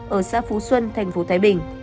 ở xã phú xuân tp thái bình